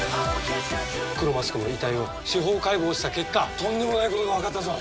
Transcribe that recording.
黒マスクの遺体を司法解剖した結果とんでもないことが分かったぞ！